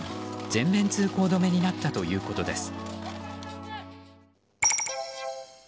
全面通行止めになったということです。